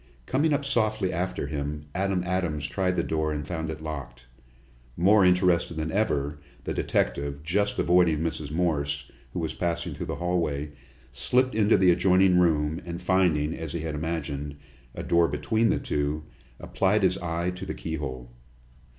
Coming up softly after him, Adam Adams tried the door and found it locked. More interested than ever, the detective, just avoiding Mrs. Morse, who was passing through the hallway, slipped into the adjoining room, and finding, as he had imagined, a door between the two, applied his eye to the keyhole.